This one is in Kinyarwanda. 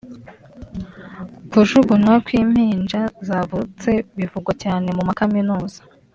kujugunywa kw’impinja zavutse bivugwa cyane mu makaminuza